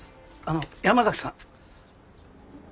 あの山崎さん。